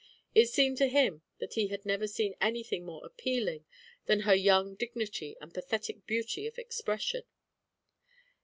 It seemed to him that he had never seen anything more appealing than her young dignity and pathetic beauty of expression.